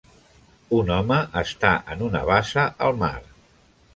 Un home està en una bassa al mar